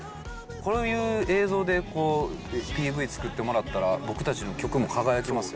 こういう映像でＰＶ作ってもらったら、僕たちの曲も輝きますよね。